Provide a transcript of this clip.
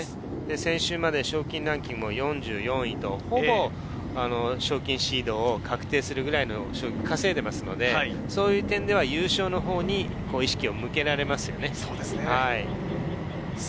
先週まで賞金ランキングも４４位と、ほぼ賞金シードを確定するくらい稼いでいますので、そういう点では優勝のほうに意識を向けられますよね。